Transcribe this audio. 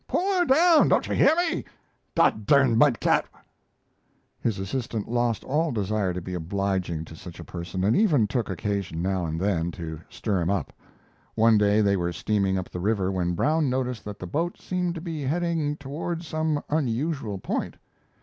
Pull her down! Don't you hear me? Dod derned mud cat!" His assistant lost all desire to be obliging to such a person and even took occasion now and then to stir him up. One day they were steaming up the river when Brown noticed that the boat seemed to be heading toward some unusual point.